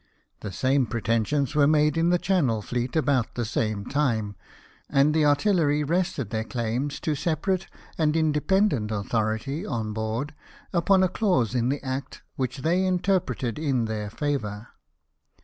The same pretensions were made in the Channel fleet about the same time ; and the artillery rested their claims to separate and inde pendent authority on board, upon a clause in the Act, which they interpreted in their favour.